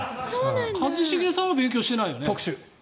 一茂さんは勉強してないよね。